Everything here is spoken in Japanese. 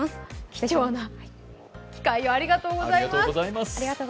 貴重な機会をありがとうございます。